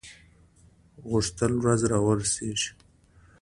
غوښتل ورځ را ورسیږي.